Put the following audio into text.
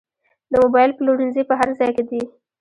د موبایل پلورنځي په هر ځای کې دي